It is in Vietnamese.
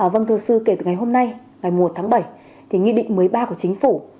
vâng thưa sư kể từ ngày hôm nay ngày một tháng bảy thì nghị định một mươi ba của chính phủ